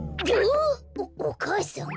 おお母さん？